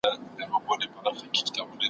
دا په وينو روزل سوي ,